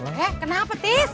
eh kenapa tis